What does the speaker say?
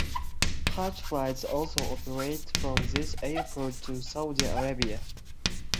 Hajj flights also operate from this airport to Saudi Arabia.